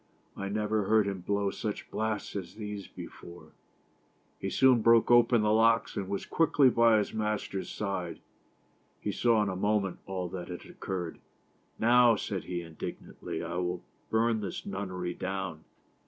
I never heard him blow such blasts as those before." H e soon broke open the locks, and was quickly by his master's side. He saw in a moment all that had occurred. " Now," said he, indignantly, " I will burn this nunnery down."